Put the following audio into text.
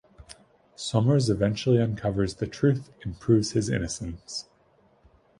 Sommers eventually uncovers the truth and proves his innocence.